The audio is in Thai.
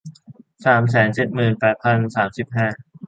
สามแสนเจ็ดหมื่นแปดพันสามสิบห้า